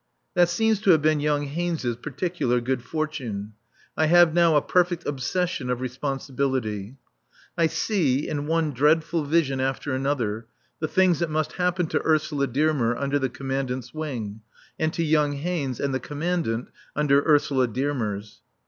That seems to have been young Haynes's particular good fortune. I have now a perfect obsession of responsibility. I see, in one dreadful vision after another, the things that must happen to Ursula Dearmer under the Commandant's wing, and to young Haynes and the Commandant under Ursula Dearmer's.